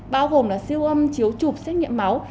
bao gồm là siêu âm chiếu chụp xét nghiệm máu